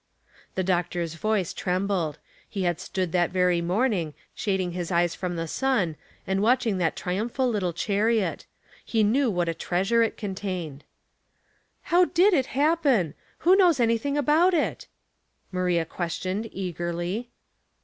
The doctor's voice trembled ; he had stood that very morning, shading his eyes from the sun, and watching that triumphal little chariot; he knew what a treasure it contained. " How did it happen ? Who knows anything about it?" Maria questioned, eagerly.